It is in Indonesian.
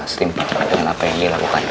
selimpan dengan apa yang dilakukan